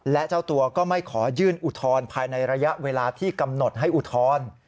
และเจ้าตัวก็ไม่ขอยื่นอุทธรณ์ภายในระยะเวลาที่กำหนดให้อุทธรณ์